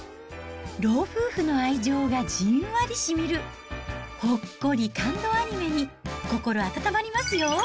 老夫婦の愛情がじんわりしみる、ほっこり感動アニメに心温まりますよ。